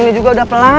ini juga udah pelan